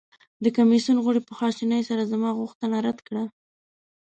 د کمیسیون غړي په خواشینۍ سره زما غوښتنه رد کړه.